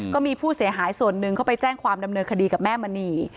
ก็มีผู้เสียหายส่วนหนึ่งเข้าไปแจ้งความดำเนินคดีกับแม่มณี